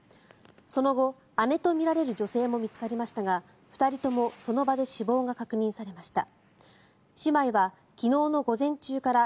その後、姉とみられる女性も見つかりましたが２人ともその場で死亡が確認されました。